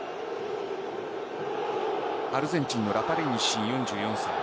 アルゼンチンのラパリーニ氏、４４歳。